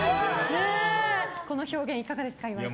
この表現いかがですか岩井さん。